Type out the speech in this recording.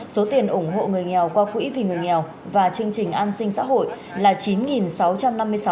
số tiền ủng hộ người nghèo qua quỹ vì người nghèo và chương trình an sinh xã hội là chín sáu trăm năm mươi sáu tỷ